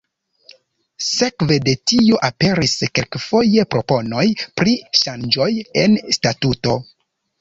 Sekve de tio aperis kelkfoje proponoj pri ŝanĝoj en statuto.